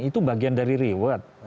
itu bagian dari reward